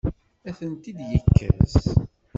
Ad tent-id-yekkes?